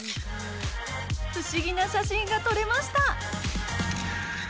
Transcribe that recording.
不思議な写真が撮れました！